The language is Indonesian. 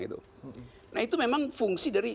itu memang fungsi dari